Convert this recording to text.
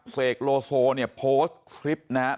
เสกโลโซเนี่ยโพสต์คลิปนะครับ